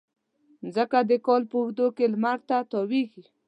مځکه د کال په اوږدو کې لمر ته تاوېږي.